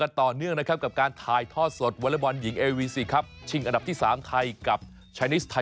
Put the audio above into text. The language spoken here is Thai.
และก็ขอบคุณคุณพี่สมที่ส่งไลน์มาให้กำลังใจนะคะ